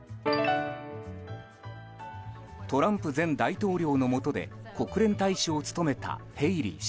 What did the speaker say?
トランプ前大統領のもとで国連大使を務めたヘイリー氏。